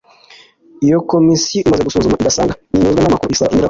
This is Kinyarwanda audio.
Iyo Komisiyo imaze gusuzuma igasanga ntinyuzwe n’amakuru, isaba indi raporo